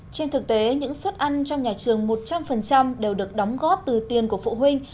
trên thực tế những suất ăn trong nhà trường một trăm linh đều được đóng góp từ tiền của phụ huynh